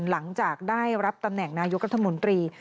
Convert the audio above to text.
หลังจากได้รับตำแหน่งนายกรัฐมนตรี